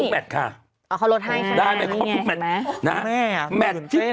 แบบนี้